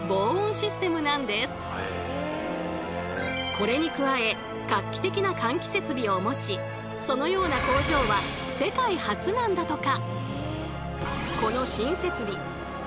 これに加え画期的な換気設備を持ちそのような工場は世界初なんだとか。